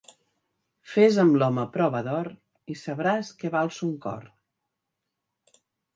Fes amb l'home prova d'or, i sabràs què val son cor.